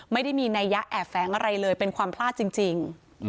ไม่ได้มีนัยยะแอบแฝงอะไรเลยเป็นความพลาดจริง